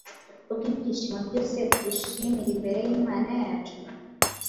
kubw’ibyishimo byose tubishimira imbere y’Imana yacu?